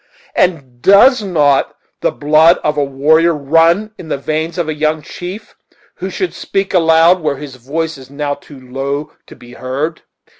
and does not the blood of a warrior run in the veins of a young chief, who should speak aloud where his voice is now too low to be heard?"